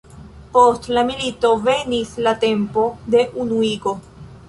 Post la milito venis la tempo de unuigo.